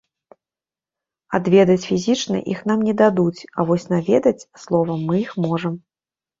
Адведаць фізічна іх нам не дадуць, а вось наведаць словам мы іх можам.